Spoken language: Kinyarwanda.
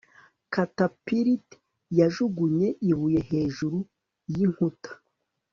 catapult yajugunye ibuye hejuru yinkuta